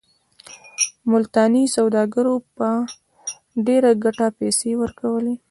ملتاني سوداګرو به په ډېره ګټه پیسې ورکولې.